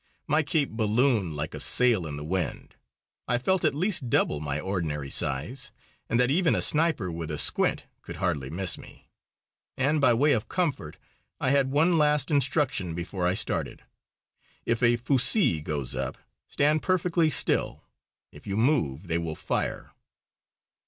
My cape ballooned like a sail in the wind. I felt at least double my ordinary size, and that even a sniper with a squint could hardly miss me. And, by way of comfort, I had one last instruction before I started: "If a fusée goes up, stand perfectly still. If you move they will fire."